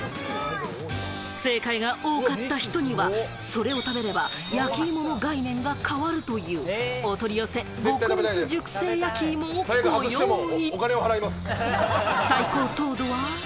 正解が多かった人には、それを食べれば焼き芋の概念が変わるというお取り寄せ・極蜜熟成やきいもをご用意。